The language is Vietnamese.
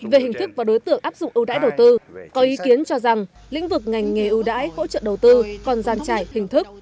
về hình thức và đối tượng áp dụng ưu đãi đầu tư có ý kiến cho rằng lĩnh vực ngành nghề ưu đãi hỗ trợ đầu tư còn gian trải hình thức